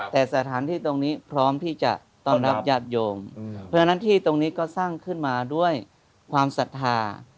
แต่สถานที่ตรงนี้พร้อมที่จะต้อนรับญาติโยมเพราะฉะนั้นที่ตรงนี้ก็สร้างขึ้นมาด้วยความศรัทธา